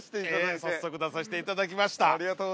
◆早速出させていただきました。